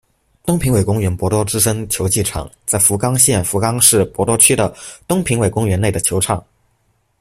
东平尾公园博多之森球技场在福冈县福冈市博多区的东平尾公园内的球场。